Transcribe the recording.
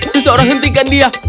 seseorang hentikan dia